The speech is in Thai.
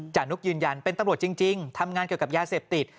นุกยืนยันเป็นตำรวจจริงทำงานเกี่ยวกับยาเสพติด